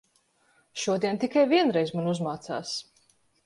Šodien tikai vienreiz man uzmācās.